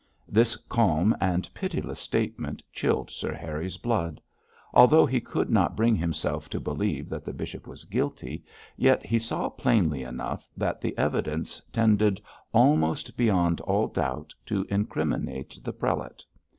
This calm and pitiless statement chilled Sir Harry's blood. Although he could not bring himself to believe that the bishop was guilty, yet he saw plainly enough that the evidence tended, almost beyond all doubt, to incriminate the prelate.